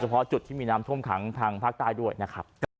เพราะจุดที่มีน้ำท่วมขังทางภาคใต้ด้วยนะครับ